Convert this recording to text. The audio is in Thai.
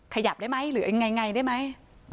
ขยับได้ไหมหรือยังไงได้ไหม